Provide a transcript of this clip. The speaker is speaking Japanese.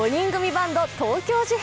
バンド東京事変。